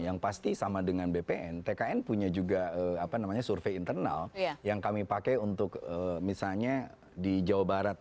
yang pasti sama dengan bpn tkn punya juga survei internal yang kami pakai untuk misalnya di jawa barat